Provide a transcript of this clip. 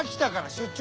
出張？